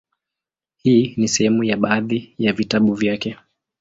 Hii ni sehemu ya baadhi ya vitabu vyake;